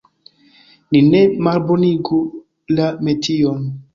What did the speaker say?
Ni ne malbonigu la metion!